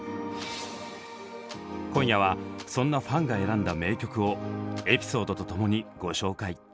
今夜はそんなファンが選んだ名曲をエピソードと共にご紹介！